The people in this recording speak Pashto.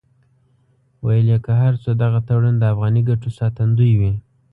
ویل یې که هر څو دغه تړون د افغاني ګټو ساتندوی وي.